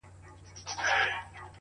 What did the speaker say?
دا کیسه به په رباب کي شرنګېدله-